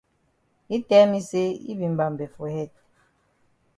Yi tell me say yi be mbambe for head.